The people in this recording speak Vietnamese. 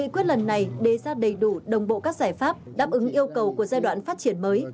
nghị quyết lần này đề ra đầy đủ đồng bộ các giải pháp đáp ứng yêu cầu của giai đoạn phát triển mới